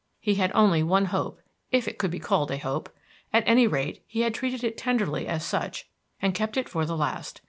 He had only one hope, if it could be called a hope; at any rate, he had treated it tenderly as such and kept it for the last.